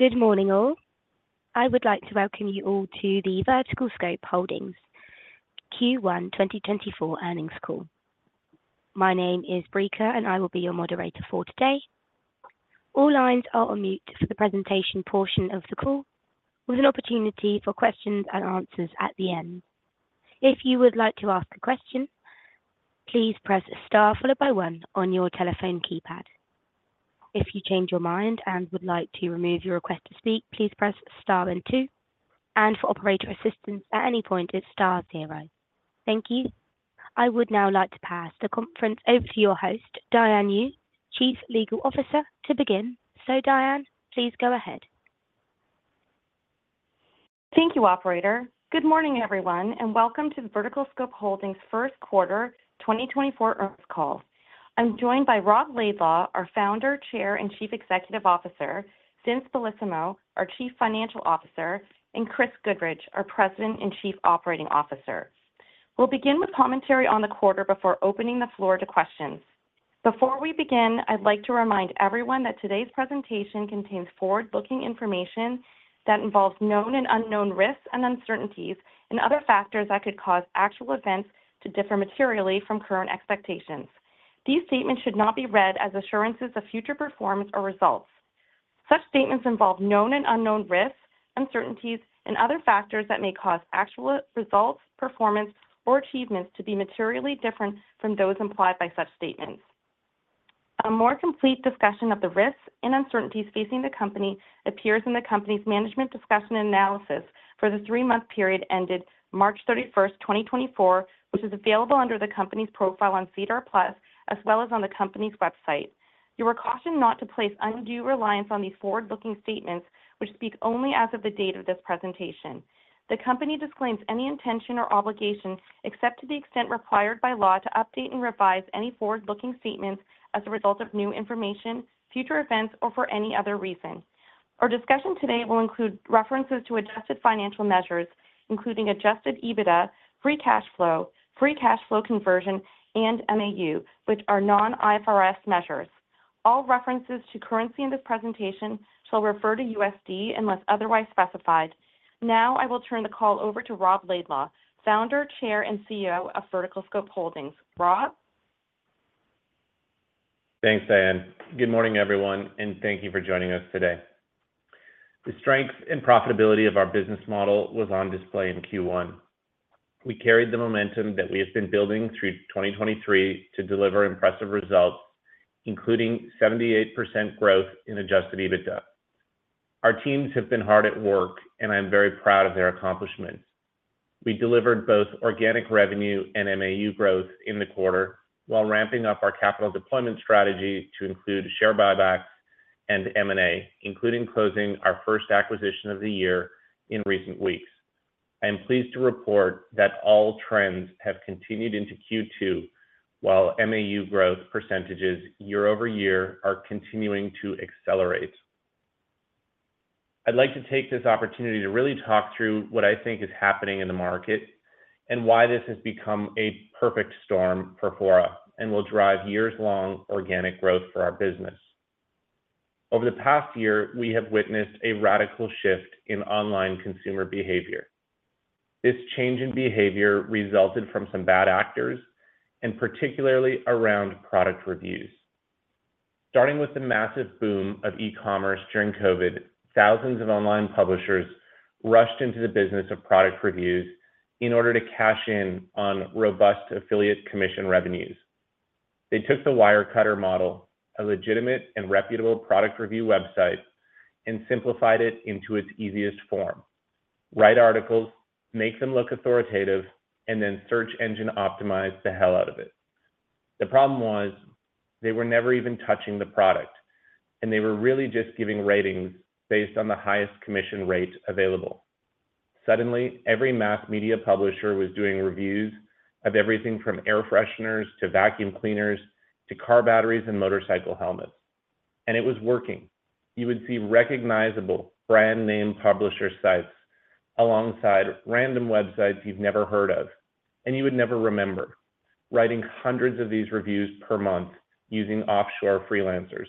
Good morning, all. I would like to welcome you all to the VerticalScope Holdings Q1 2024 earnings call. My name is Breaker, and I will be your moderator for today. All lines are on mute for the presentation portion of the call, with an opportunity for questions and answers at the end. If you would like to ask a question, please press Star followed by one on your telephone keypad. If you change your mind and would like to remove your request to speak, please press Star and two, and for operator assistance at any point, it's star zero. Thank you. I would now like to pass the conference over to your host, Diane Yu, Chief Legal Officer, to begin. So, Diane, please go ahead. Thank you, operator. Good morning, everyone, and welcome to the VerticalScope Holdings first quarter 2024 earnings call. I'm joined by Rob Laidlaw, our Founder, Chair, and Chief Executive Officer, Vince Bellissimo, our Chief Financial Officer, and Chris Goodridge, our President and Chief Operating Officer. We'll begin with commentary on the quarter before opening the floor to questions. Before we begin, I'd like to remind everyone that today's presentation contains forward-looking information that involves known and unknown risks and uncertainties and other factors that could cause actual events to differ materially from current expectations. These statements should not be read as assurances of future performance or results. Such statements involve known and unknown risks, uncertainties, and other factors that may cause actual results, performance, or achievements to be materially different from those implied by such statements. A more complete discussion of the risks and uncertainties facing the company appears in the company's management discussion and analysis for the three-month period ended March 31, 2024, which is available under the company's profile on SEDAR+, as well as on the company's website. You were cautioned not to place undue reliance on these forward-looking statements, which speak only as of the date of this presentation. The company disclaims any intention or obligation, except to the extent required by law to update and revise any forward-looking statements as a result of new information, future events, or for any other reason. Our discussion today will include references to adjusted financial measures, including Adjusted EBITDA, free cash flow, free cash flow conversion, and MAU, which are non-IFRS measures. All references to currency in this presentation shall refer to USD unless otherwise specified. Now, I will turn the call over to Rob Laidlaw, founder, Chair, and CEO of VerticalScope Holdings. Rob? Thanks, Diane. Good morning, everyone, and thank you for joining us today. The strength and profitability of our business model was on display in Q1. We carried the momentum that we have been building through 2023 to deliver impressive results, including 78% growth in Adjusted EBITDA. Our teams have been hard at work, and I'm very proud of their accomplishments. We delivered both organic revenue and MAU growth in the quarter while ramping up our capital deployment strategy to include share buybacks and M&A, including closing our first acquisition of the year in recent weeks. I am pleased to report that all trends have continued into Q2, while MAU growth percentages year-over-year are continuing to accelerate. I'd like to take this opportunity to really talk through what I think is happening in the market and why this has become a perfect storm for Fora and will drive years-long organic growth for our business. Over the past year, we have witnessed a radical shift in online consumer behavior. This change in behavior resulted from some bad actors, and particularly around product reviews. Starting with the massive boom of e-commerce during COVID, thousands of online publishers rushed into the business of product reviews in order to cash in on robust affiliate commission revenues. They took the Wirecutter model, a legitimate and reputable product review website, and simplified it into its easiest form: write articles, make them look authoritative, and then search engine optimize the hell out of it. The problem was they were never even touching the product, and they were really just giving ratings based on the highest commission rate available. Suddenly, every mass media publisher was doing reviews of everything from air fresheners to vacuum cleaners, to car batteries and motorcycle helmets, and it was working. You would see recognizable brand name publisher sites alongside random websites you've never heard of, and you would never remember, writing hundreds of these reviews per month using offshore freelancers.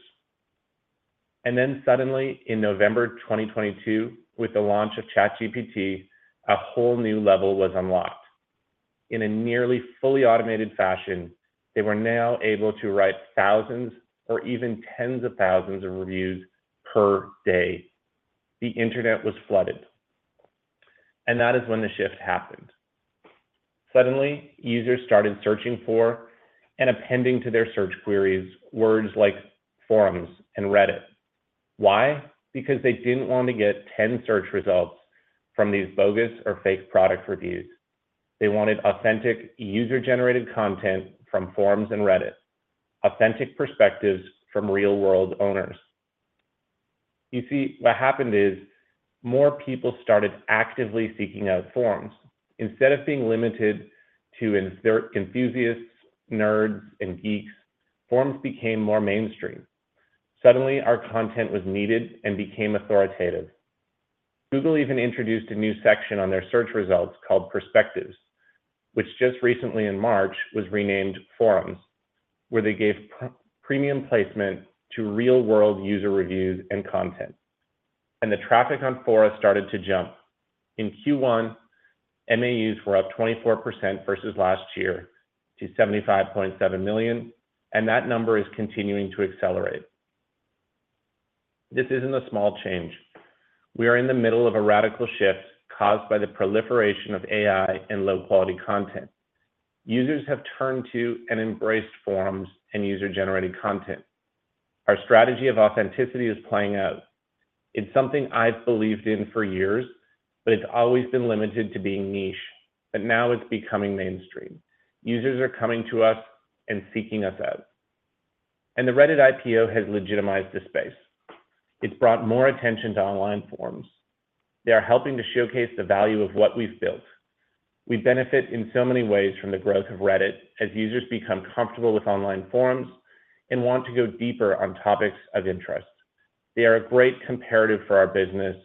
Then suddenly, in November 2022, with the launch of ChatGPT, a whole new level was unlocked. In a nearly fully automated fashion, they were now able to write thousands or even tens of thousands of reviews per day. The internet was flooded, and that is when the shift happened. Suddenly, users started searching for and appending to their search queries, words like forums and Reddit. Why? Because they didn't want to get 10 search results from these bogus or fake product reviews. They wanted authentic, user-generated content from forums and Reddit, authentic perspectives from real-world owners. You see, what happened is more people started actively seeking out forums. Instead of being limited to just enthusiasts, nerds, and geeks, forums became more mainstream. Suddenly, our content was needed and became authoritative. Google even introduced a new section on their search results called Perspectives, which just recently in March, was renamed Forums, where they gave premium placement to real-world user reviews and content. And the traffic on Fora started to jump. In Q1, MAUs were up 24% versus last year to 75.7 million, and that number is continuing to accelerate. This isn't a small change. We are in the middle of a radical shift caused by the proliferation of AI and low-quality content. Users have turned to and embraced forums and user-generated content. Our strategy of authenticity is playing out. It's something I've believed in for years, but it's always been limited to being niche, but now it's becoming mainstream. Users are coming to us and seeking us out. The Reddit IPO has legitimized the space. It's brought more attention to online forums. They are helping to showcase the value of what we've built. We benefit in so many ways from the growth of Reddit as users become comfortable with online forums and want to go deeper on topics of interest. They are a great comparative for our business,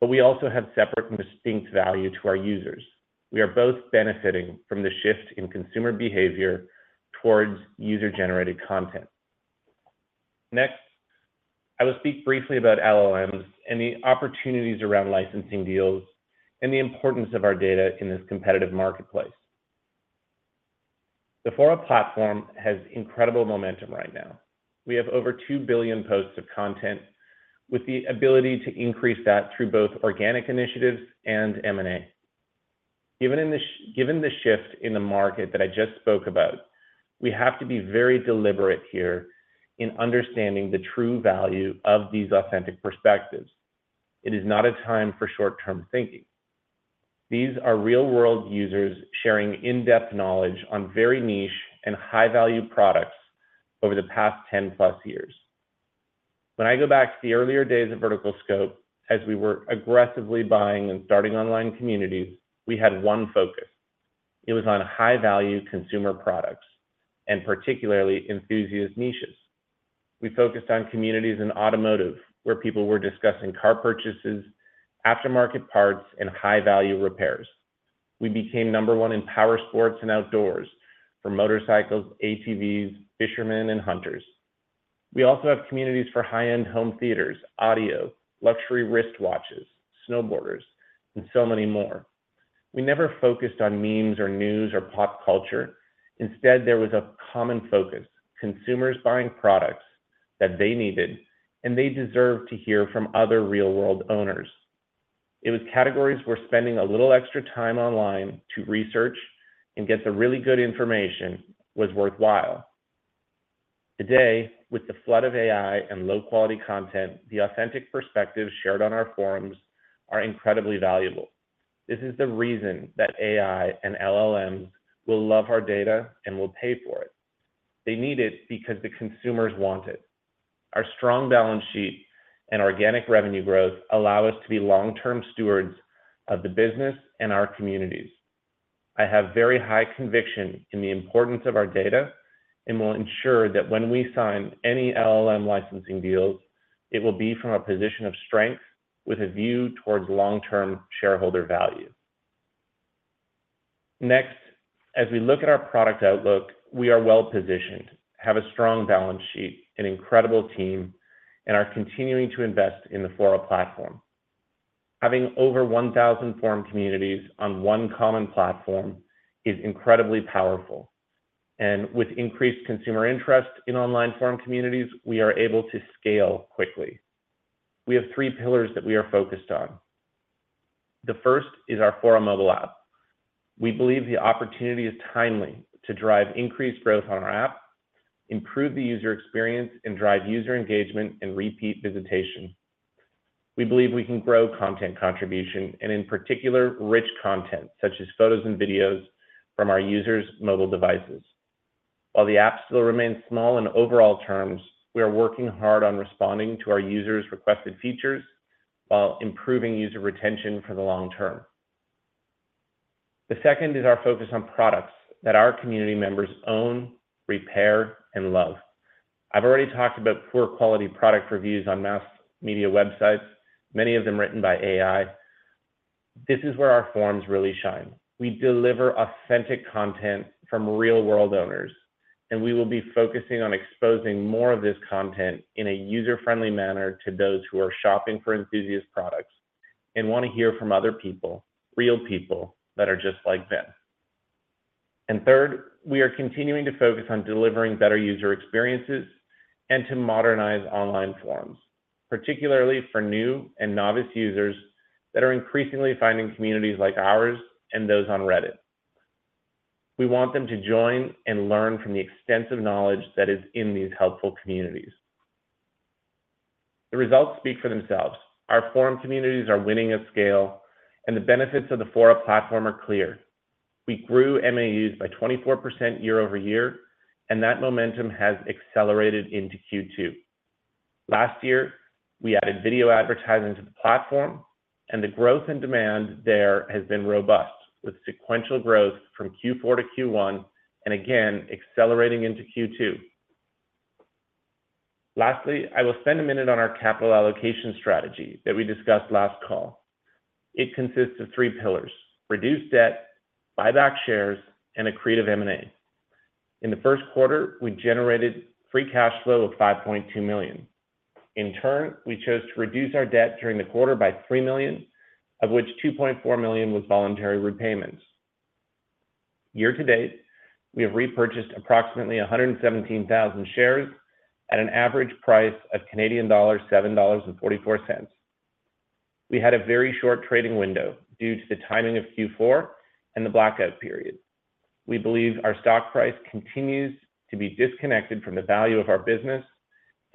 but we also have separate and distinct value to our users. We are both benefiting from the shift in consumer behavior towards user-generated content. Next, I will speak briefly about LLMs and the opportunities around licensing deals and the importance of our data in this competitive marketplace. The Fora platform has incredible momentum right now. We have over 2 billion posts of content, with the ability to increase that through both organic initiatives and M&A. Even given the shift in the market that I just spoke about, we have to be very deliberate here in understanding the true value of these authentic perspectives. It is not a time for short-term thinking. These are real-world users sharing in-depth knowledge on very niche and high-value products over the past 10+ years. When I go back to the earlier days of VerticalScope, as we were aggressively buying and starting online communities, we had one focus. It was on high-value consumer products, and particularly enthusiast niches. We focused on communities and automotive, where people were discussing car purchases, aftermarket parts, and high-value repairs. We became number one in powersports and outdoors for motorcycles, ATVs, fishermen, and hunters. We also have communities for high-end home theaters, audio, luxury wristwatches, snowboarders, and so many more. We never focused on memes or news or pop culture. Instead, there was a common focus, consumers buying products that they needed, and they deserved to hear from other real-world owners. It was categories where spending a little extra time online to research and get the really good information was worthwhile. Today, with the flood of AI and low-quality content, the authentic perspectives shared on our forums are incredibly valuable. This is the reason that AI and LLMs will love our data and will pay for it. They need it because the consumers want it. Our strong balance sheet and organic revenue growth allow us to be long-term stewards of the business and our communities. I have very high conviction in the importance of our data and will ensure that when we sign any LLM licensing deals, it will be from a position of strength with a view towards long-term shareholder value. Next, as we look at our product outlook, we are well positioned, have a strong balance sheet, an incredible team, and are continuing to invest in the Fora platform. Having over 1,000 forum communities on one common platform is incredibly powerful, and with increased consumer interest in online forum communities, we are able to scale quickly. We have three pillars that we are focused on. The first is our Fora mobile app. We believe the opportunity is timely to drive increased growth on our app, improve the user experience, and drive user engagement and repeat visitation. We believe we can grow content contribution, and in particular, rich content, such as photos and videos from our users' mobile devices. While the app still remains small in overall terms, we are working hard on responding to our users' requested features while improving user retention for the long term. The second is our focus on products that our community members own, repair, and love. I've already talked about poor quality product reviews on mass media websites, many of them written by AI. This is where our forums really shine. We deliver authentic content from real-world owners, and we will be focusing on exposing more of this content in a user-friendly manner to those who are shopping for enthusiast products and want to hear from other people, real people, that are just like them. Third, we are continuing to focus on delivering better user experiences and to modernize online forums, particularly for new and novice users that are increasingly finding communities like ours and those on Reddit. We want them to join and learn from the extensive knowledge that is in these helpful communities. The results speak for themselves. Our forum communities are winning at scale, and the benefits of the Fora platform are clear. We grew MAUs by 24% year-over-year, and that momentum has accelerated into Q2. Last year, we added video advertising to the platform, and the growth and demand there has been robust, with sequential growth from Q4-Q1, and again, accelerating into Q2. Lastly, I will spend a minute on our capital allocation strategy that we discussed last call. It consists of three pillars: reduced debt, buyback shares, and accretive M&A. In the first quarter, we generated free cash flow of $5.2 million. In turn, we chose to reduce our debt during the quarter by $3 million, of which $2.4 million was voluntary repayments. Year to date, we have repurchased approximately 117,000 shares at an average price of Canadian dollars 7.44. We had a very short trading window due to the timing of Q4 and the blackout period. We believe our stock price continues to be disconnected from the value of our business,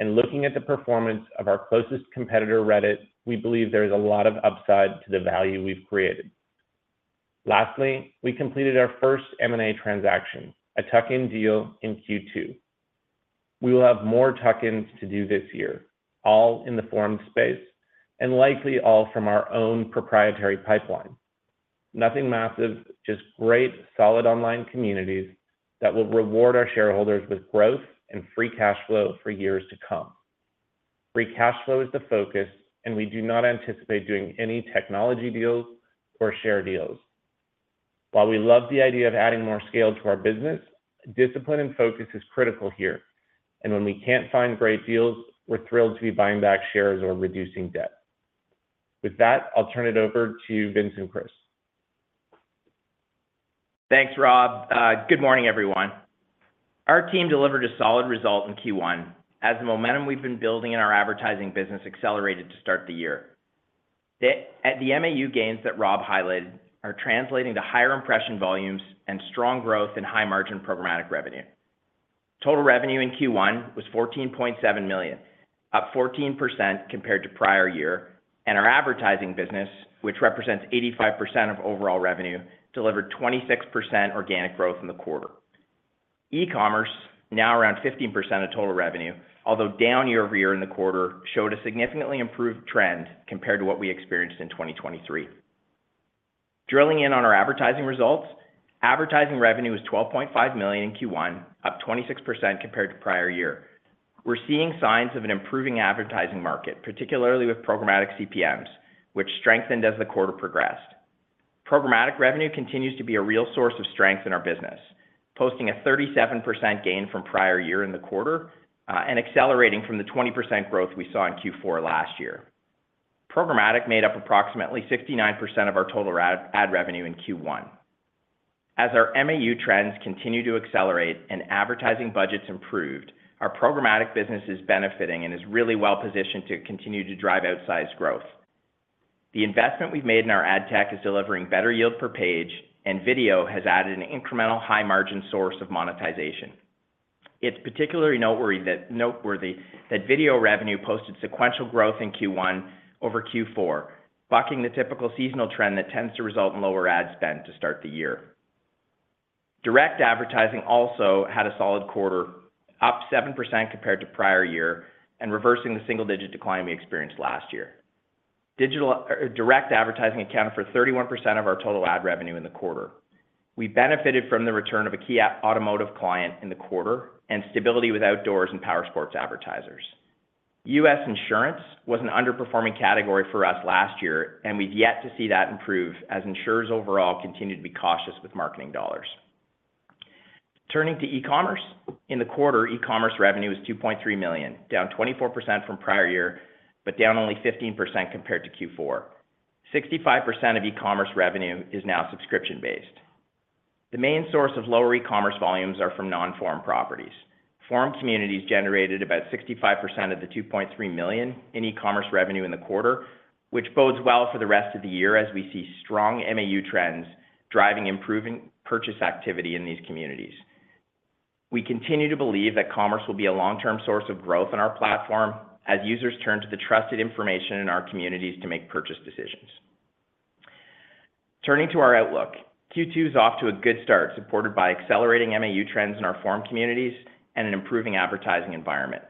and looking at the performance of our closest competitor, Reddit, we believe there is a lot of upside to the value we've created. Lastly, we completed our first M&A transaction, a tuck-in deal in Q2. We will have more tuck-ins to do this year, all in the forum space, and likely all from our own proprietary pipeline. Nothing massive, just great, solid online communities that will reward our shareholders with growth and free cash flow for years to come. Free cash flow is the focus, and we do not anticipate doing any technology deals or share deals. While we love the idea of adding more scale to our business, discipline and focus is critical here, and when we can't find great deals, we're thrilled to be buying back shares or reducing debt. With that, I'll turn it over to Vince and Chris. Thanks, Rob. Good morning, everyone. Our team delivered a solid result in Q1 as the momentum we've been building in our advertising business accelerated to start the year. The MAU gains that Rob highlighted are translating to higher impression volumes and strong growth in high-margin programmatic revenue. Total revenue in Q1 was $14.7 million, up 14% compared to prior year, and our advertising business, which represents 85% of overall revenue, delivered 26% organic growth in the quarter. E-commerce, now around 15% of total revenue, although down year-over-year in the quarter, showed a significantly improved trend compared to what we experienced in 2023. Drilling in on our advertising results, advertising revenue was $12.5 million in Q1, up 26% compared to prior year. We're seeing signs of an improving advertising market, particularly with programmatic CPMs, which strengthened as the quarter progressed. Programmatic revenue continues to be a real source of strength in our business, posting a 37% gain from prior year in the quarter, and accelerating from the 20% growth we saw in Q4 last year. Programmatic made up approximately 69% of our total ad revenue in Q1. As our MAU trends continue to accelerate and advertising budgets improved, our programmatic business is benefiting and is really well positioned to continue to drive outsized growth. The investment we've made in our ad tech is delivering better yield per page, and video has added an incremental high-margin source of monetization. It's particularly noteworthy that video revenue posted sequential growth in Q1 over Q4, bucking the typical seasonal trend that tends to result in lower ad spend to start the year. Direct advertising also had a solid quarter, up 7% compared to prior year and reversing the single-digit decline we experienced last year. Digital or direct advertising accounted for 31% of our total ad revenue in the quarter. We benefited from the return of a key auto automotive client in the quarter and stability with outdoors and powersports advertisers. US insurance was an underperforming category for us last year, and we've yet to see that improve as insurers overall continue to be cautious with marketing dollars. Turning to e-commerce. In the quarter, e-commerce revenue was $2.3 million, down 24% from prior year, but down only 15% compared to Q4. 65% of e-commerce revenue is now subscription-based. The main source of lower e-commerce volumes are from non-forum properties. Forum communities generated about 65% of the $2.3 million in e-commerce revenue in the quarter, which bodes well for the rest of the year as we see strong MAU trends driving improving purchase activity in these communities. We continue to believe that commerce will be a long-term source of growth on our platform as users turn to the trusted information in our communities to make purchase decisions. Turning to our outlook. Q2 is off to a good start, supported by accelerating MAU trends in our forum communities and an improving advertising environment.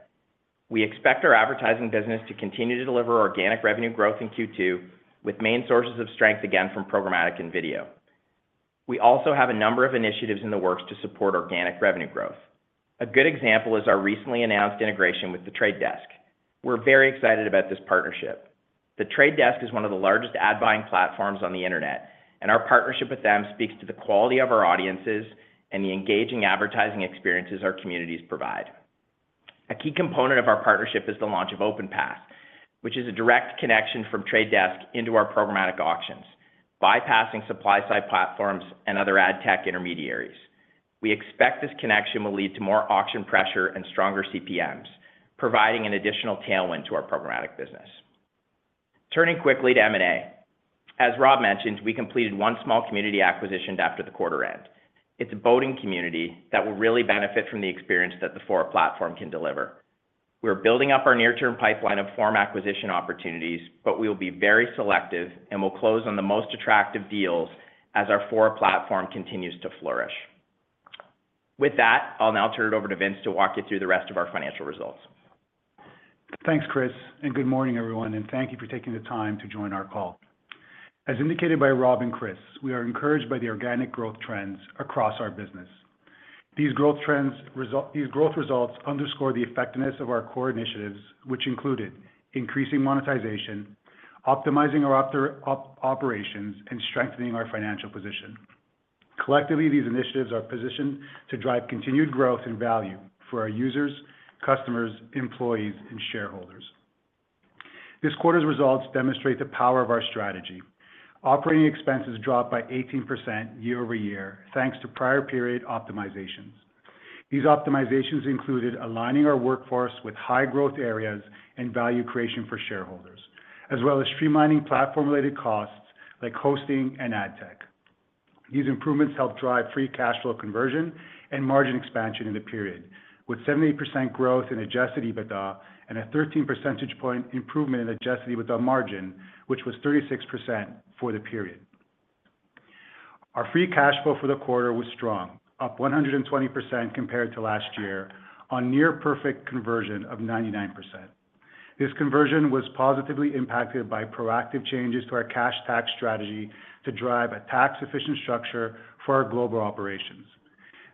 We expect our advertising business to continue to deliver organic revenue growth in Q2, with main sources of strength, again, from programmatic and video. We also have a number of initiatives in the works to support organic revenue growth. A good example is our recently announced integration with The Trade Desk. We're very excited about this partnership. The Trade Desk is one of the largest ad buying platforms on the internet, and our partnership with them speaks to the quality of our audiences and the engaging advertising experiences our communities provide. A key component of our partnership is the launch of OpenPass, which is a direct connection from Trade Desk into our programmatic auctions, bypassing supply side platforms and other ad tech intermediaries. We expect this connection will lead to more auction pressure and stronger CPMs, providing an additional tailwind to our programmatic business. Turning quickly to M&A. As Rob mentioned, we completed one small community acquisition after the quarter end. It's a boating community that will really benefit from the experience that the Fora platform can deliver. We're building up our near-term pipeline of Fora acquisition opportunities, but we will be very selective and will close on the most attractive deals as our Fora platform continues to flourish. With that, I'll now turn it over to Vince to walk you through the rest of our financial results. Thanks, Chris, and good morning, everyone, and thank you for taking the time to join our call. As indicated by Rob and Chris, we are encouraged by the organic growth trends across our business. These growth results underscore the effectiveness of our core initiatives, which included: increasing monetization, optimizing our operations, and strengthening our financial position. Collectively, these initiatives are positioned to drive continued growth and value for our users, customers, employees and shareholders. This quarter's results demonstrate the power of our strategy. Operating expenses dropped by 18% year-over-year, thanks to prior period optimizations. These optimizations included aligning our workforce with high growth areas and value creation for shareholders, as well as streamlining platform-related costs like hosting and ad tech. These improvements helped drive free cash flow conversion and margin expansion in the period, with 78% growth in Adjusted EBITDA and a 13 percentage point improvement in Adjusted EBITDA margin, which was 36% for the period. Our free cash flow for the quarter was strong, up 120% compared to last year, on near perfect conversion of 99%. This conversion was positively impacted by proactive changes to our cash tax strategy to drive a tax-efficient structure for our global operations.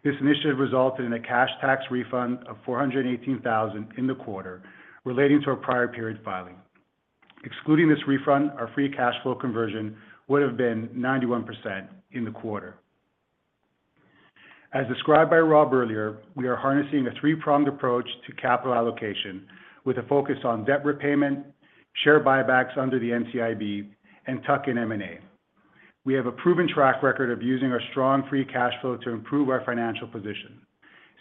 This initiative resulted in a cash tax refund of $418,000 in the quarter, relating to our prior period filing. Excluding this refund, our free cash flow conversion would have been 91% in the quarter. As described by Rob earlier, we are harnessing a three-pronged approach to capital allocation, with a focus on debt repayment, share buybacks under the NCIB, and tuck-in M&A. We have a proven track record of using our strong free cash flow to improve our financial position.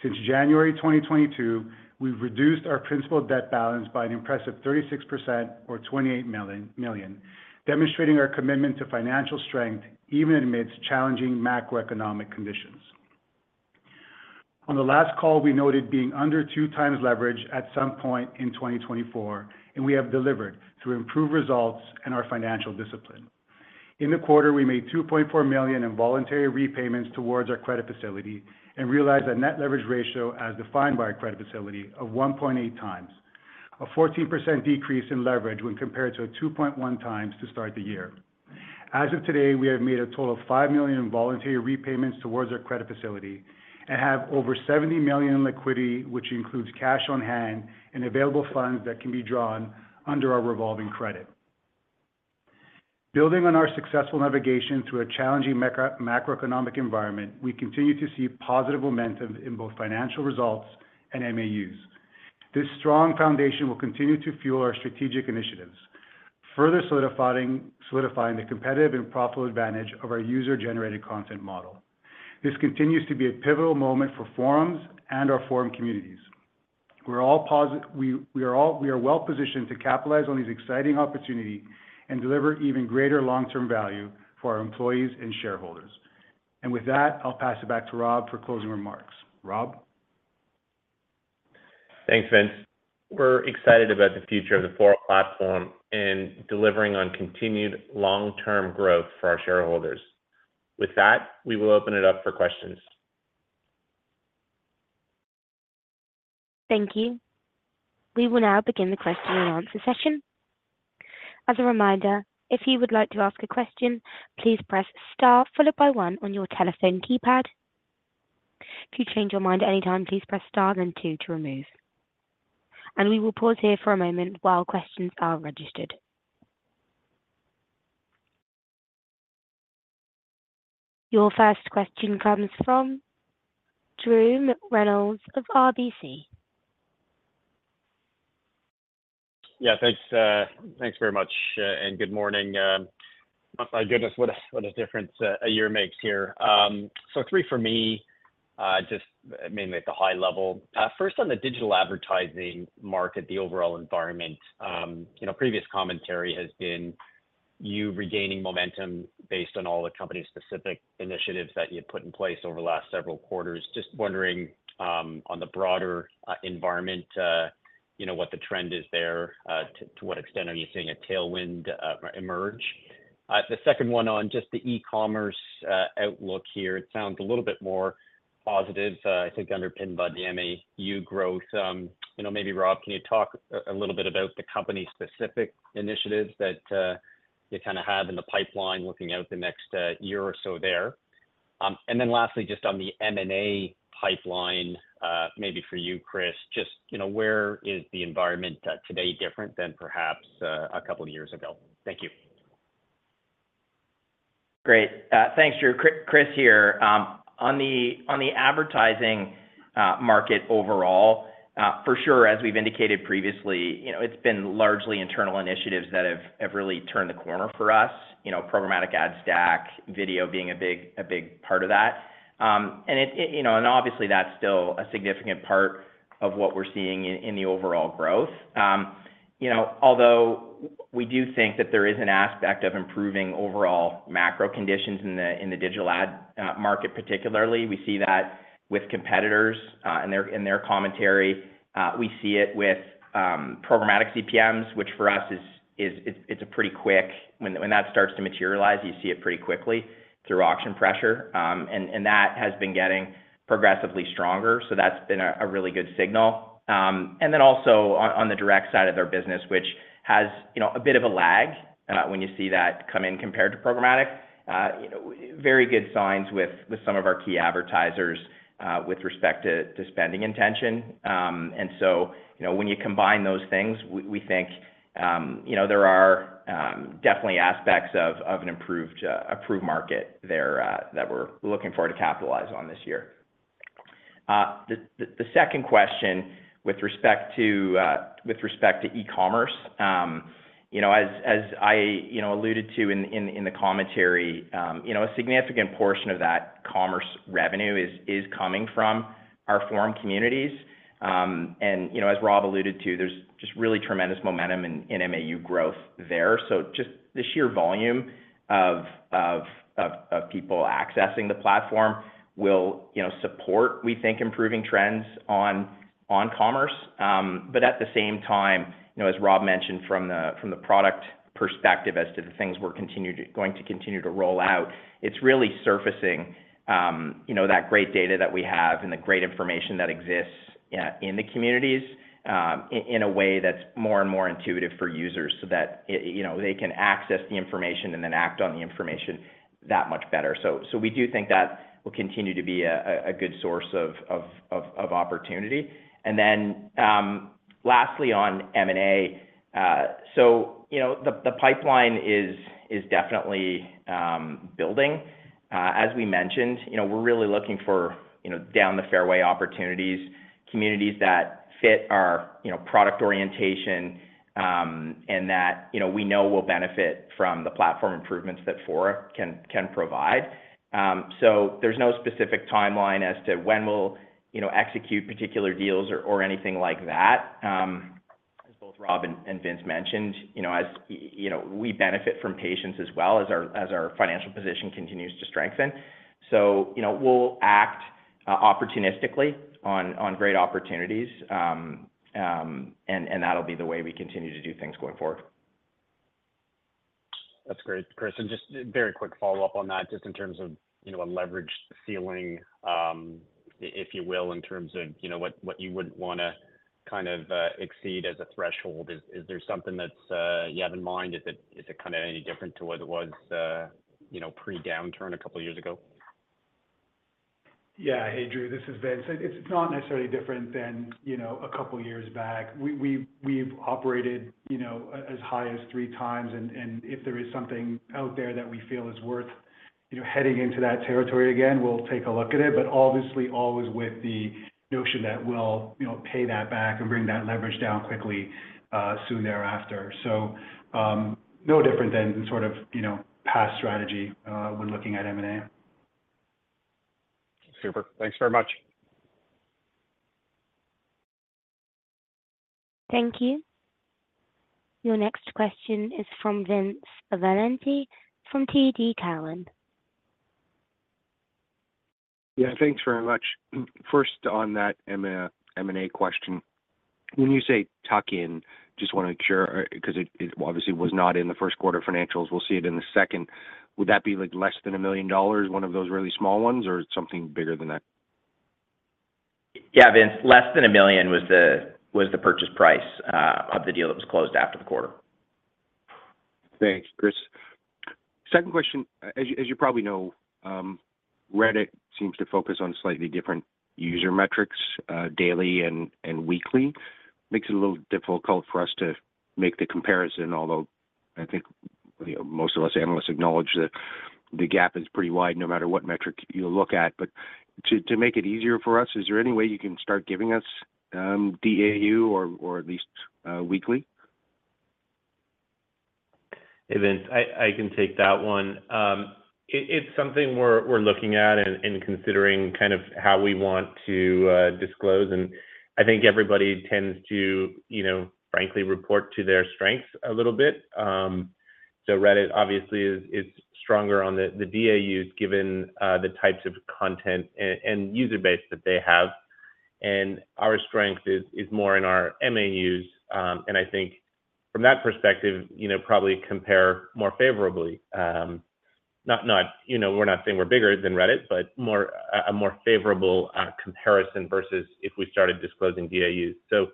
Since January 2022, we've reduced our principal debt balance by an impressive 36% or $28 million, demonstrating our commitment to financial strength even amidst challenging macroeconomic conditions. On the last call, we noted being under 2x leverage at some point in 2024, and we have delivered through improved results and our financial discipline. In the quarter, we made $2.4 million in voluntary repayments towards our credit facility and realized a net leverage ratio as defined by our credit facility of 1.8x. A 14% decrease in leverage when compared to 2.1 times to start the year. As of today, we have made a total of $5 million in voluntary repayments towards our credit facility and have over $70 million in liquidity, which includes cash on hand and available funds that can be drawn under our revolving credit. Building on our successful navigation through a challenging macroeconomic environment, we continue to see positive momentum in both financial results and MAUs. This strong foundation will continue to fuel our strategic initiatives, further solidifying the competitive and profitable advantage of our user-generated content model. This continues to be a pivotal moment for forums and our forum communities. We are well-positioned to capitalize on this exciting opportunity and deliver even greater long-term value for our employees and shareholders. With that, I'll pass it back to Rob for closing remarks. Rob? Thanks, Vince. We're excited about the future of the Fora platform and delivering on continued long-term growth for our shareholders. With that, we will open it up for questions. Thank you. We will now begin the question and answer session. As a reminder, if you would like to ask a question, please press star followed by one on your telephone keypad. If you change your mind anytime, please press star then two to remove. We will pause here for a moment while questions are registered. Your first question comes from Drew McReynolds of RBC. Yeah, thanks, thanks very much, and good morning. My goodness, what a difference a year makes here. So three for me, just mainly at the high level. First, on the digital advertising market, the overall environment, you know, previous commentary has been you regaining momentum based on all the company's specific initiatives that you've put in place over the last several quarters. Just wondering, on the broader environment, you know, what the trend is there, to what extent are you seeing a tailwind emerge? The second one on just the e-commerce outlook here, it sounds a little bit more positive, I think underpinned by the MAU growth. You know, maybe, Rob, can you talk a little bit about the company-specific initiatives that you kinda have in the pipeline, looking out the next year or so there? And then lastly, just on the M&A pipeline, maybe for you, Chris, just, you know, where is the environment today different than perhaps a couple of years ago? Thank you. Great. Thanks, Drew. Chris here. On the advertising market overall, for sure, as we've indicated previously, you know, it's been largely internal initiatives that have really turned the corner for us. You know, programmatic ad stack, video being a big part of that. And obviously, that's still a significant part of what we're seeing in the overall growth. You know, although we do think that there is an aspect of improving overall macro conditions in the digital ad market particularly, we see that with competitors in their commentary. We see it with programmatic CPMs, which for us is a pretty quick-when that starts to materialize, you see it pretty quickly through auction pressure. And that has been getting progressively stronger, so that's been a really good signal. And then also on the direct side of their business, which has, you know, a bit of a lag, when you see that come in compared to programmatic. You know, very good signs with some of our key advertisers, with respect to spending intention. And so, you know, when you combine those things, we think, you know, there are definitely aspects of an improved market there, that we're looking forward to capitalize on this year. The second question with respect to e-commerce, you know, as I you know alluded to in the commentary, you know, a significant portion of that commerce revenue is coming from our forum communities. And, you know, as Rob alluded to, there's just really tremendous momentum in MAU growth there. So just the sheer volume of people accessing the platform will, you know, support, we think, improving trends on commerce. But at the same time, you know, as Rob mentioned from the product perspective as to the things we're going to continue to roll out, it's really surfacing, you know, that great data that we have and the great information that exists in the communities in a way that's more and more intuitive for users so that it, you know, they can access the information and then act on the information that much better. So we do think that will continue to be a good source of opportunity. And then, lastly, on M&A. So you know, the pipeline is definitely building. As we mentioned, you know, we're really looking for, you know, down the fairway opportunities, communities that fit our, you know, product orientation, and that, you know, we know will benefit from the platform improvements that Fora can provide. So there's no specific timeline as to when we'll, you know, execute particular deals or anything like that. As both Rob and Vince mentioned, you know, as, you know, we benefit from patience as well as our financial position continues to strengthen. So, you know, we'll act opportunistically on great opportunities. And that'll be the way we continue to do things going forward. That's great, Chris. And just very quick follow-up on that, just in terms of, you know, a leverage ceiling, if you will, in terms of, you know, what you would wanna kind of exceed as a threshold. Is there something that you have in mind? Is it kind of any different to what it was, you know, pre-downturn a couple years ago? Yeah. Hey, Drew, this is Vince. It's not necessarily different than, you know, a couple of years back. We've operated, you know, as high as 3x, and if there is something out there that we feel is worth, you know, heading into that territory again, we'll take a look at it. But obviously, always with the notion that we'll, you know, pay that back and bring that leverage down quickly soon thereafter. So, no different than sort of, you know, past strategy when looking at M&A. Super. Thanks very much. Thank you. Your next question is from Vince Valentini, from TD Cowen. Yeah, thanks very much. First, on that M&A, M&A question. When you say tuck in, just wanna make sure, 'cause it obviously was not in the first quarter financials, we'll see it in the second. Would that be, like, less than $1 million, one of those really small ones, or something bigger than that? Yeah, Vince, less than $1 million was the, was the purchase price of the deal that was closed after the quarter. Thanks, Chris. Second question. As you probably know, Reddit seems to focus on slightly different user metrics, daily and weekly. Makes it a little difficult for us to make the comparison, although I think, you know, most of us analysts acknowledge that the gap is pretty wide, no matter what metric you look at. But to make it easier for us, is there any way you can start giving us DAU or at least weekly? Hey, Vince, I can take that one. It's something we're looking at and considering kind of how we want to disclose. I think everybody tends to, you know, frankly, report to their strengths a little bit. So Reddit obviously is stronger on the DAUs, given the types of content and user base that they have. Our strength is more in our MAUs, and I think from that perspective, you know, probably compare more favorably. Not, you know, we're not saying we're bigger than Reddit, but more a more favorable comparison versus if we started disclosing DAUs. So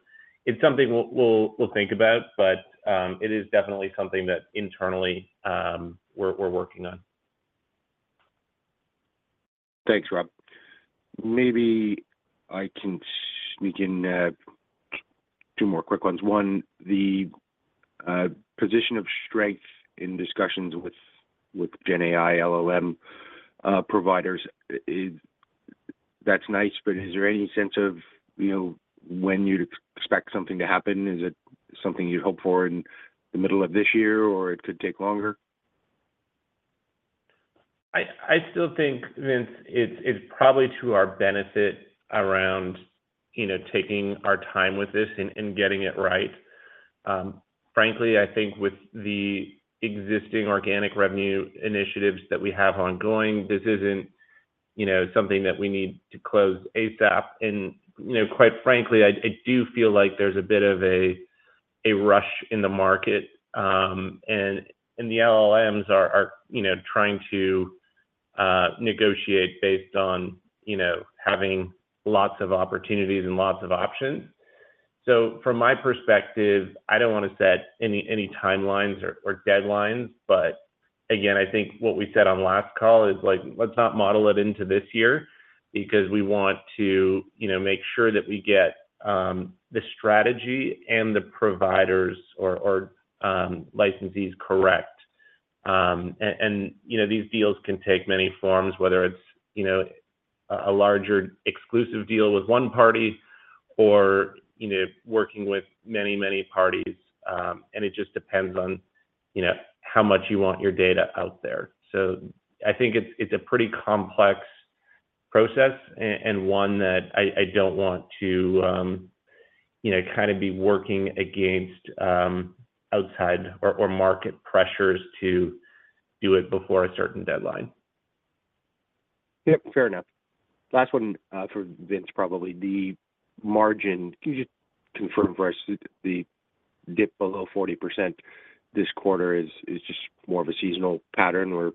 it's something we'll think about, but it is definitely something that internally we're working on. Thanks, Rob. Maybe I can sneak in two more quick ones. One, the position of strength in discussions with GenAI, LLM providers, that's nice, but is there any sense of, you know, when you'd expect something to happen? Is it something you'd hope for in the middle of this year, or it could take longer? I still think, Vince, it's probably to our benefit around, you know, taking our time with this and getting it right. Frankly, I think with the existing organic revenue initiatives that we have ongoing, this isn't, you know, something that we need to close ASAP. And, you know, quite frankly, I do feel like there's a bit of a rush in the market, and the LLMs are, you know, trying to negotiate based on, you know, having lots of opportunities and lots of options. So from my perspective, I don't want to set any timelines or deadlines. But again, I think what we said on last call is, like, let's not model it into this year because we want to, you know, make sure that we get the strategy and the providers or licensees correct. And, you know, these deals can take many forms, whether it's, you know, a larger exclusive deal with one party or, you know, working with many, many parties. And it just depends on, you know, how much you want your data out there. So I think it's a pretty complex process, and one that I don't want to, you know, kind of be working against outside or market pressures to do it before a certain deadline. Yep, fair enough. Last one for Vince, probably. The margin, can you just confirm for us the dip below 40% this quarter is just more of a seasonal pattern, where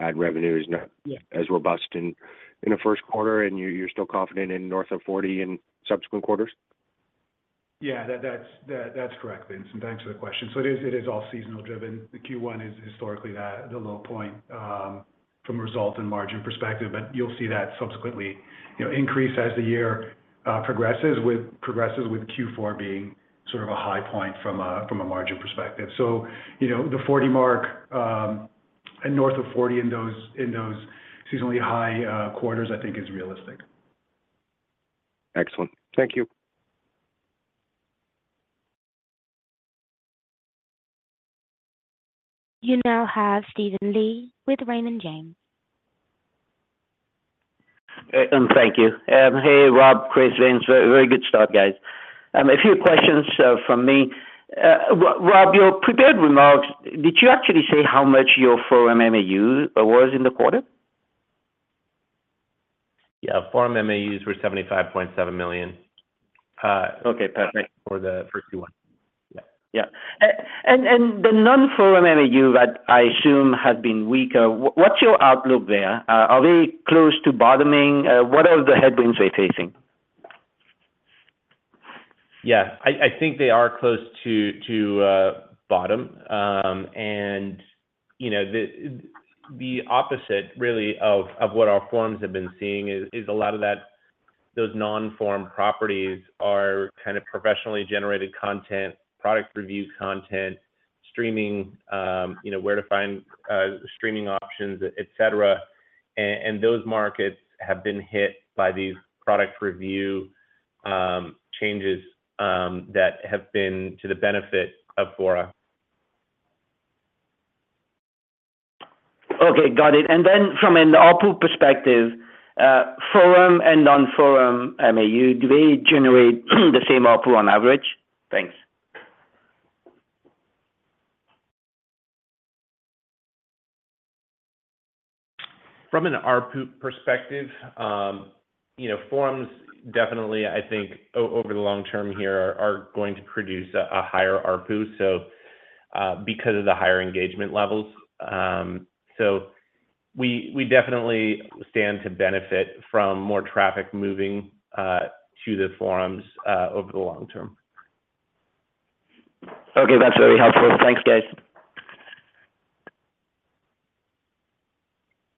ad revenue is not- Yeah as robust in the first quarter, and you're still confident in north of 40 in subsequent quarters? Yeah, that's correct, Vincent. Thanks for the question. So it is all seasonal driven. The Q1 is historically the low point from a result and margin perspective, but you'll see that subsequently, you know, increase as the year progresses with Q4 being sort of a high point from a margin perspective. So, you know, the 40 mark and north of 40 in those seasonally high quarters, I think is realistic. Excellent. Thank you. You now have Steven Li with Raymond James. Thank you. Hey, Rob, Chris, Vince. Very, very good start, guys. A few questions from me. Rob, your prepared remarks, did you actually say how much your forum MAU was in the quarter? Yeah, forum MAUs were 75.7 million. Okay, perfect. For the first Q1. Yeah. Yeah. And the non-forum MAU, that I assume has been weaker, what's your outlook there? Are they close to bottoming? What are the headwinds they're facing? Yeah. I think they are close to bottom. And you know, the opposite really of what our forums have been seeing is a lot of that—those non-forum properties are kind of professionally generated content, product review content, streaming, you know, where to find streaming options, et cetera. And those markets have been hit by these product review changes that have been to the benefit of forum. Okay, got it. Then from an ARPU perspective, forum and non-forum MAU, do they generate the same ARPU on average? Thanks. From an ARPU perspective, you know, forums definitely, I think over the long term here, are going to produce a higher ARPU, so, because of the higher engagement levels. So we definitely stand to benefit from more traffic moving to the forums over the long term. Okay, that's very helpful. Thanks, guys.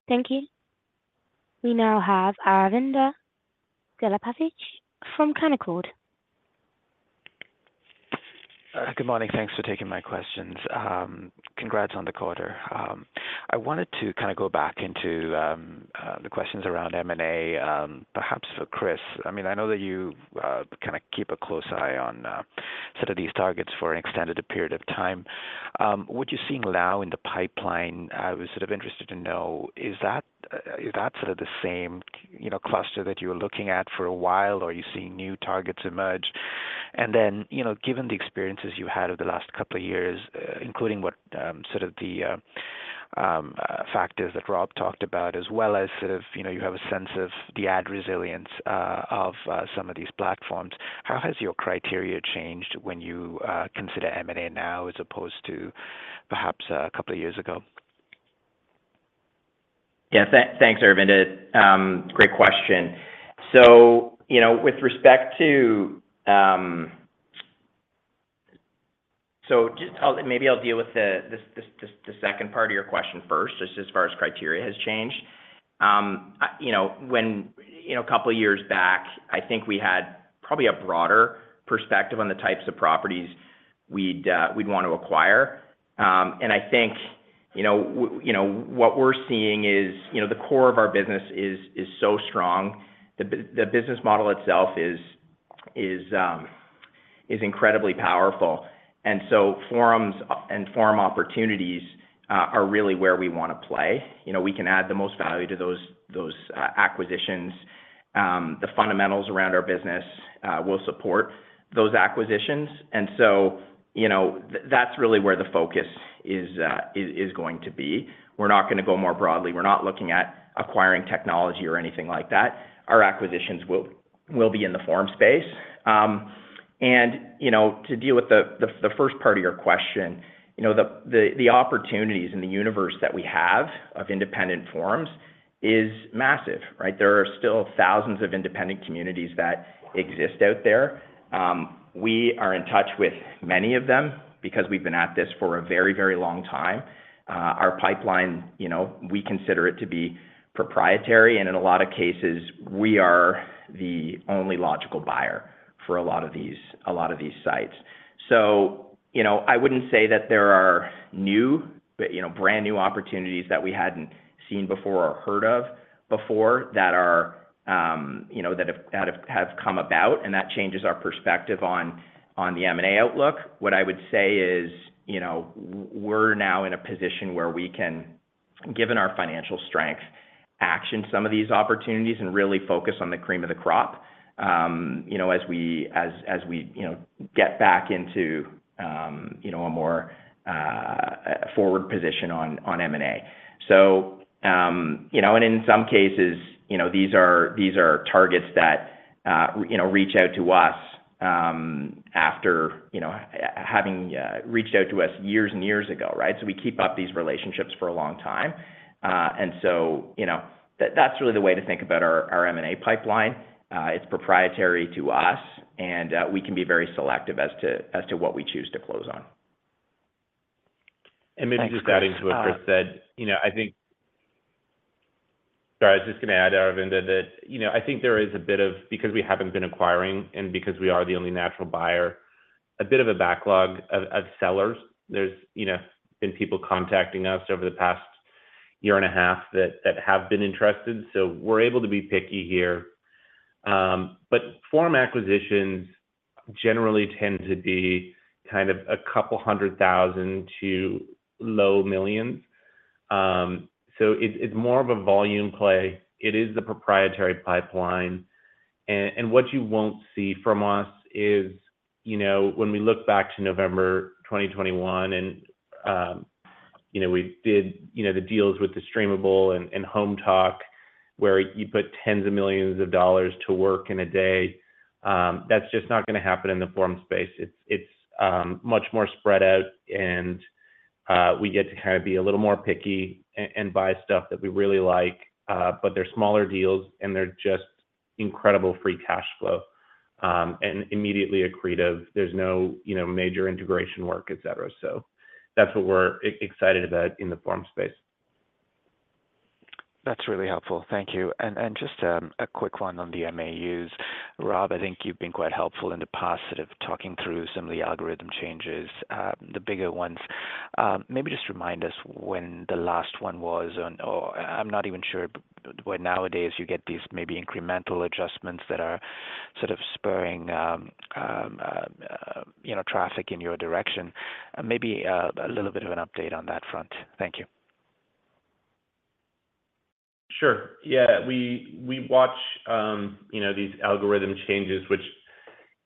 Thank you. We now have Aravinda Galappatthige from Canaccord. Good morning. Thanks for taking my questions. Congrats on the quarter. I wanted to kind of go back into the questions around M&A, perhaps for Chris. I mean, I know that you kind of keep a close eye on set of these targets for an extended period of time. What you're seeing now in the pipeline, I was sort of interested to know, is that sort of the same, you know, cluster that you were looking at for a while, or are you seeing new targets emerge? And then, you know, given the experiences you had over the last couple of years, including what sort of the factors that Rob talked about, as well as sort of, you know, you have a sense of the ad resilience of some of these platforms. How has your criteria changed when you consider M&A now, as opposed to perhaps a couple of years ago? Yeah. Thanks, Aravinda. Great question. So, you know, with respect to—So just maybe I'll deal with the second part of your question first, just as far as criteria has changed. You know, when, you know, a couple of years back, I think we had probably a broader perspective on the types of properties we'd want to acquire. And I think, you know, you know, what we're seeing is, you know, the core of our business is so strong. The business model itself is incredibly powerful. And so forums and forum opportunities are really where we want to play. You know, we can add the most value to those acquisitions. The fundamentals around our business will support those acquisitions. And so, you know, that's really where the focus is going to be. We're not gonna go more broadly. We're not looking at acquiring technology or anything like that. Our acquisitions will be in the forum space. You know, to deal with the first part of your question, you know, the opportunities in the universe that we have of independent forums is massive, right? There are still thousands of independent communities that exist out there. We are in touch with many of them because we've been at this for a very, very long time. Our pipeline, you know, we consider it to be proprietary, and in a lot of cases, we are the only logical buyer for a lot of these sites. So, you know, I wouldn't say that there are new, but, you know, brand new opportunities that we hadn't seen before or heard of before, that are, you know, that have come about, and that changes our perspective on the M&A outlook. What I would say is, you know, we're now in a position where we can, given our financial strength, action some of these opportunities and really focus on the cream of the crop, you know, as we get back into a more forward position on M&A. So, you know, and in some cases, you know, these are targets that you know, reach out to us after, you know, having reached out to us years and years ago, right? We keep up these relationships for a long time. So, you know, that's really the way to think about our M&A pipeline. It's proprietary to us, and we can be very selective as to what we choose to close on. Maybe just adding to what Chris said, you know, I think—Sorry, I was just gonna add, Aravinda, that, you know, I think there is a bit of, because we haven't been acquiring and because we are the only natural buyer, a bit of a backlog of sellers. There's, you know, been people contacting us over the past year and a half that have been interested, so we're able to be picky here. But forum acquisitions generally tend to be kind of $200,000 to low millions. So it's more of a volume play. It is a proprietary pipeline, and what you won't see from us is, you know, when we look back to November 2021, and, you know, we did, you know, the deals with The Streamable and Hometalk, where you put $ tens of millions to work in a day, that's just not gonna happen in the forum space. It's much more spread out, and we get to kind of be a little more picky and buy stuff that we really like. But they're smaller deals, and they're just incredible free cash flow, and immediately accretive. There's no, you know, major integration work, et cetera. So that's what we're excited about in the forum space. That's really helpful. Thank you. And just a quick one on the MAUs. Rob, I think you've been quite helpful in the past, sort of talking through some of the algorithm changes, the bigger ones. Maybe just remind us when the last one was, or I'm not even sure where nowadays you get these maybe incremental adjustments that are sort of spurring, you know, traffic in your direction. Maybe a little bit of an update on that front. Thank you. Sure. Yeah, we watch, you know, these algorithm changes, which,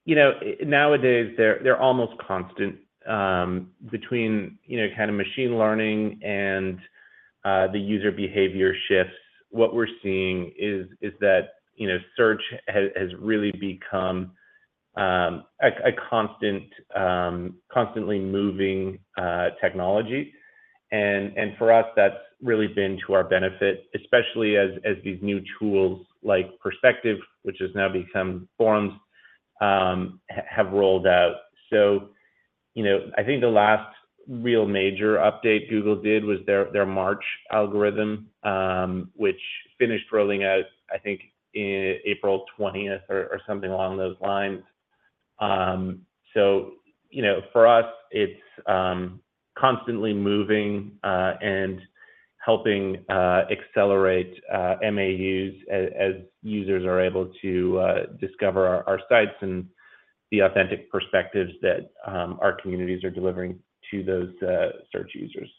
you know, nowadays, they're almost constant. Between, you know, kind of machine learning and the user behavior shifts, what we're seeing is that, you know, search has really become a constant, constantly moving technology. And for us, that's really been to our benefit, especially as these new tools like Perspectives, which has now become Forums, have rolled out. So, you know, I think the last real major update Google did was their March algorithm, which finished rolling out, I think, in April twentieth or something along those lines. So, you know, for us, it's constantly moving and helping accelerate MAUs as users are able to discover our, our sites and the authentic perspectives that our communities are delivering to those search users.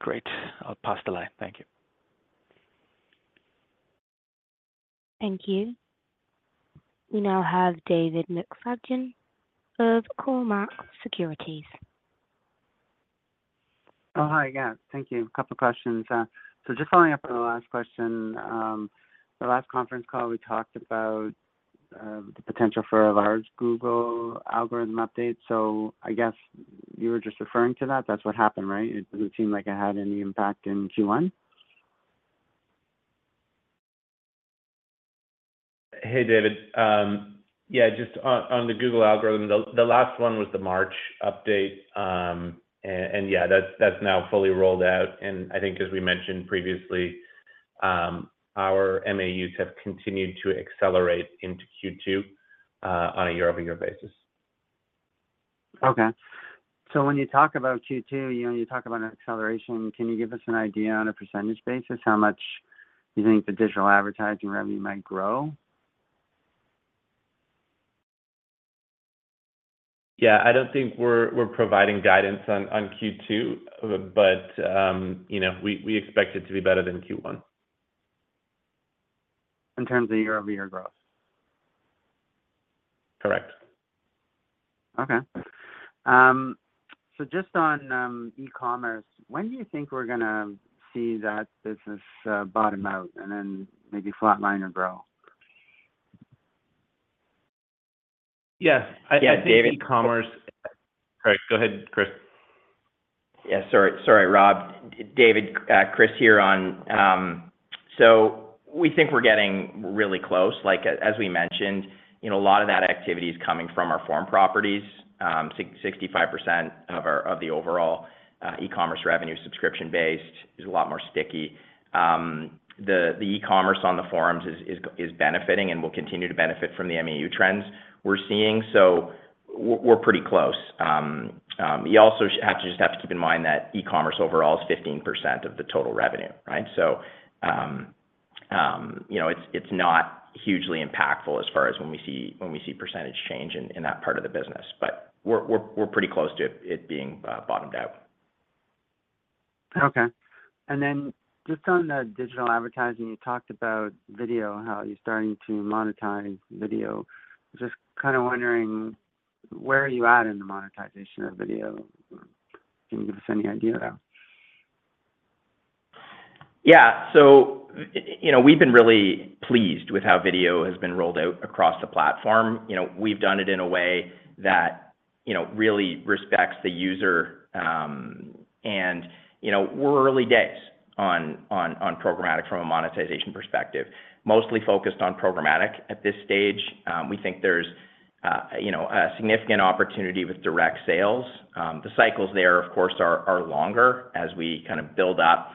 Great. I'll pass the line. Thank you. Thank you. We now have David McFadgen of Cormark Securities. Oh, hi. Yeah, thank you. A couple questions. So just following up on the last question, the last conference call, we talked about the potential for a large Google algorithm update. So I guess you were just referring to that. That's what happened, right? It doesn't seem like it had any impact in Q1. Hey, David. Yeah, just on the Google algorithm, the last one was the March update. And yeah, that's now fully rolled out, and I think as we mentioned previously, our MAUs have continued to accelerate into Q2, on a year-over-year basis. Okay. So when you talk about Q2, you know, you talk about an acceleration. Can you give us an idea on a percentage basis, how much you think the digital advertising revenue might grow? Yeah, I don't think we're providing guidance on Q2, but, you know, we expect it to be better than Q1. In terms of year-over-year growth? Correct. Okay. So just on e-commerce, when do you think we're gonna see that business bottom out and then maybe flatline or grow? Yes. I- Yeah, David- E-commerce. Sorry, go ahead, Chris. Yeah, sorry, sorry, Rob. David, Chris here on, so we think we're getting really close. Like, as, as we mentioned, you know, a lot of that activity is coming from our forum properties. Sixty-five percent of our of the overall, e-commerce revenue subscription-based is a lot more sticky. The e-commerce on the forums is benefiting and will continue to benefit from the MAU trends we're seeing, so we're pretty close. You also actually just have to keep in mind that e-commerce overall is 15% of the total revenue, right? So, you know, it's not hugely impactful as far as when we see, when we see percentage change in that part of the business, but we're pretty close to it being bottomed out. Okay. And then just on the digital advertising, you talked about video, how you're starting to monetize video. Just kind of wondering, where are you at in the monetization of video? Can you give us any idea now? Yeah. So, you know, we've been really pleased with how video has been rolled out across the platform. You know, we've done it in a way that, you know, really respects the user. And, you know, we're early days on programmatic from a monetization perspective. Mostly focused on programmatic at this stage. We think there's, you know, a significant opportunity with direct sales. The cycles there, of course, are longer as we kind of build up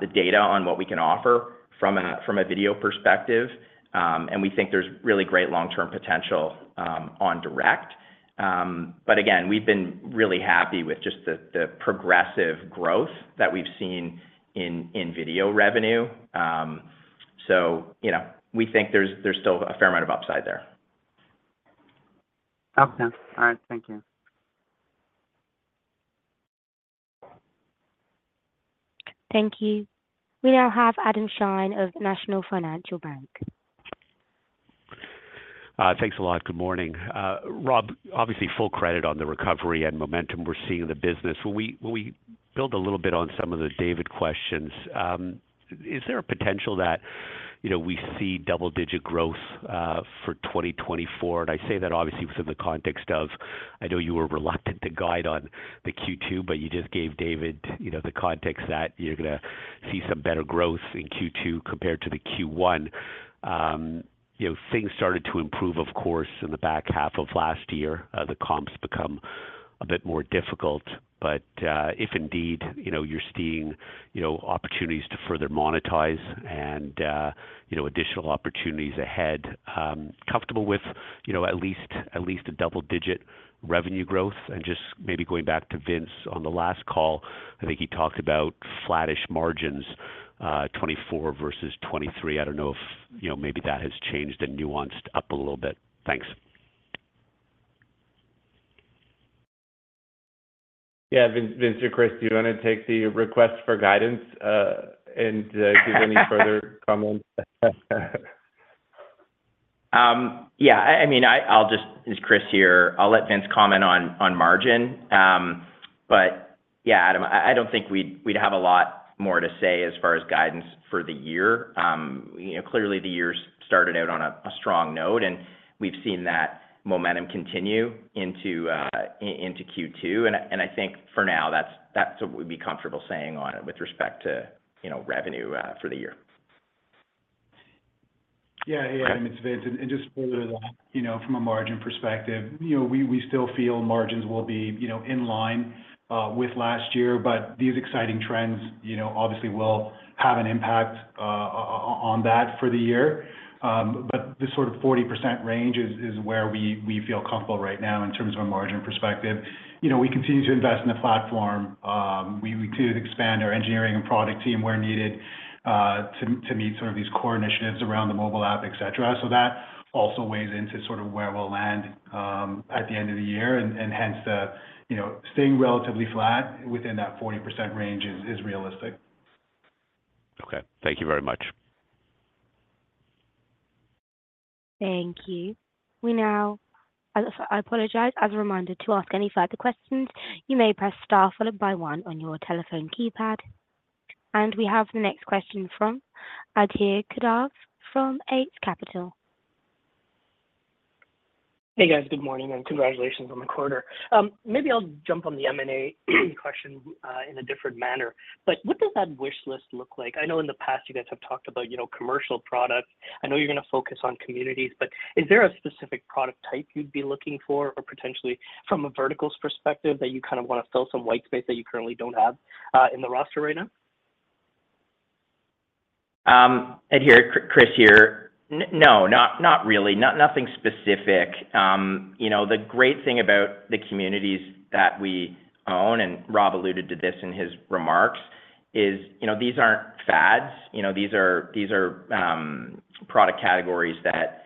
the data on what we can offer from a video perspective, and we think there's really great long-term potential on direct. But again, we've been really happy with just the progressive growth that we've seen in video revenue. So you know, we think there's still a fair amount of upside there. Okay. All right, thank you. Thank you. We now have Adam Shine of National Bank Financial. Thanks a lot. Good morning. Rob, obviously, full credit on the recovery and momentum we're seeing in the business. When we build a little bit on some of the David questions, is there a potential that, you know, we see double-digit growth for 2024? And I say that obviously within the context of I know you were reluctant to guide on the Q2, but you just gave David, you know, the context that you're gonna see some better growth in Q2 compared to the Q1. You know, things started to improve, of course, in the back half of last year, the comps become a bit more difficult. But, if indeed, you know, you're seeing, you know, opportunities to further monetize and, you know, additional opportunities ahead, comfortable with, you know, at least a double-digit revenue growth. Just maybe going back to Vince on the last call, I think he talked about flattish margins, 2024 versus 2023. I don't know if, you know, maybe that has changed and nuanced up a little bit. Thanks. Yeah, Vince or Chris, do you wanna take the request for guidance, and give any further comments? Yeah, I mean, I'll just—It's Chris here. I'll let Vince comment on margin. But yeah, Adam, I don't think we'd have a lot more to say as far as guidance for the year. You know, clearly the year started out on a strong note, and we've seen that momentum continue into Q2, and I think for now, that's what we'd be comfortable saying on it with respect to, you know, revenue for the year. Yeah. Hey, Adam, it's Vince. And just further to that, you know, from a margin perspective, you know, we still feel margins will be, you know, in line with last year, but these exciting trends, you know, obviously will have an impact on that for the year. But this sort of 40% range is where we feel comfortable right now in terms of a margin perspective. You know, we continue to invest in the platform. We continue to expand our engineering and product team where needed to meet some of these core initiatives around the mobile app, et cetera. So that also weighs into sort of where we'll land at the end of the year. And hence, you know, staying relatively flat within that 40% range is realistic. Okay. Thank you very much. Thank you. I apologize. As a reminder, to ask any further questions, you may press Star followed by one on your telephone keypad. And we have the next question from Adhir Kadve from Eight Capital. Hey, guys. Good morning and congratulations on the quarter. Maybe I'll jump on the M&A question in a different manner, but what does that wish list look like? I know in the past you guys have talked about, you know, commercial products. I know you're gonna focus on communities, but is there a specific product type you'd be looking for, or potentially from a verticals perspective, that you kind of want to fill some white space that you currently don't have in the roster right now? Adhir, Chris here. No, not really. Nothing specific. You know, the great thing about the communities that we own, and Rob alluded to this in his remarks, is, you know, these aren't fads. You know, these are product categories that,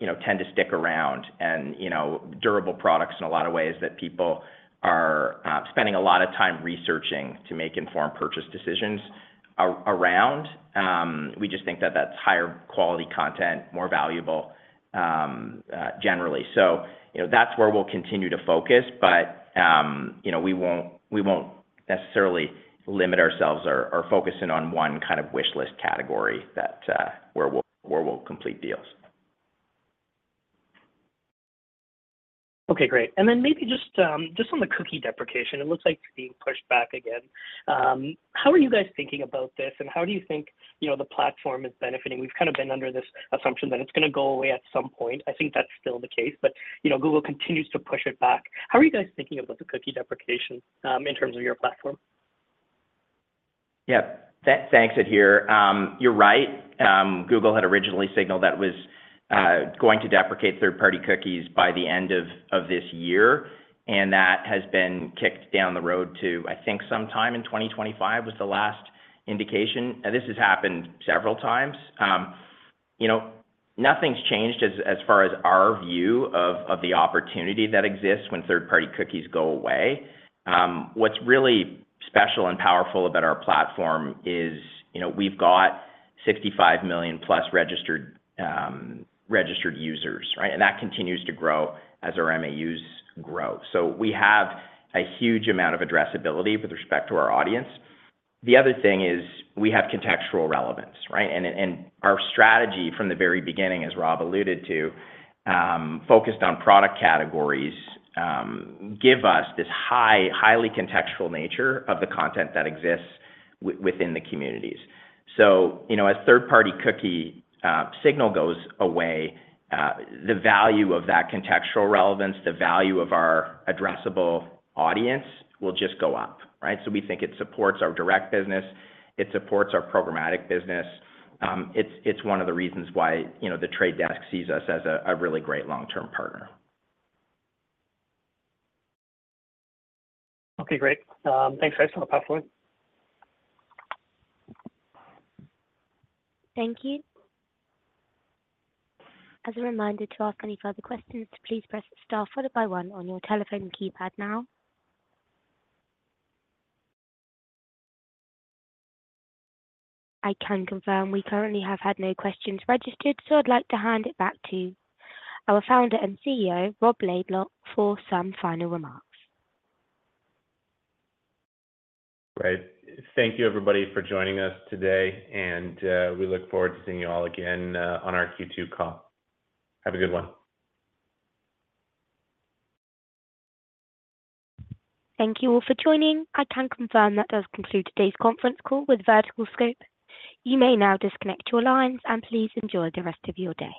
you know, tend to stick around and, you know, durable products in a lot of ways that people are spending a lot of time researching to make informed purchase decisions. Around, we just think that that's higher quality content, more valuable, generally. So, you know, that's where we'll continue to focus. But, you know, we won't necessarily limit ourselves or focus in on one kind of wish list category that, where we'll complete deals. Okay, great. And then maybe just, just on the cookie deprecation, it looks like it's being pushed back again. How are you guys thinking about this, and how do you think, you know, the platform is benefiting? We've kind of been under this assumption that it's gonna go away at some point. I think that's still the case, but, you know, Google continues to push it back. How are you guys thinking about the cookie deprecation, in terms of your platform? Yeah. Thanks, Adhir. You're right. Google had originally signaled that it was going to deprecate third-party cookies by the end of this year, and that has been kicked down the road to, I think, sometime in 2025, was the last indication. And this has happened several times. You know, nothing's changed as far as our view of the opportunity that exists when third-party cookies go away. What's really special and powerful about our platform is, you know, we've got 65 million plus registered users, right? And that continues to grow as our MAUs grow. So we have a huge amount of addressability with respect to our audience. The other thing is we have contextual relevance, right? Our strategy from the very beginning, as Rob alluded to, focused on product categories, give us this high, highly contextual nature of the content that exists within the communities. So, you know, as third-party cookie signal goes away, the value of that contextual relevance, the value of our addressable audience will just go up, right? So we think it supports our direct business, it supports our programmatic business. It's one of the reasons why, you know, The Trade Desk sees us as a really great long-term partner. Okay, great. Thanks, guys. I'll pass the line. Thank you. As a reminder, to ask any further questions, please press Star followed by one on your telephone keypad now. I can confirm we currently have had no questions registered, so I'd like to hand it back to our founder and CEO, Rob Laidlaw, for some final remarks. Great. Thank you, everybody, for joining us today, and we look forward to seeing you all again on our Q2 call. Have a good one. Thank you all for joining. I can confirm that does conclude today's conference call with VerticalScope. You may now disconnect your lines, and please enjoy the rest of your day.